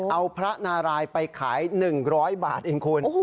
เอาพระนารายไปขาย๑๐๐บาทเองคุณ